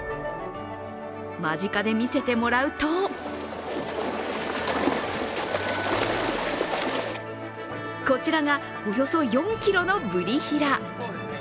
間近で見せてもらうとこちらが、およそ４ｋｇのブリヒラ。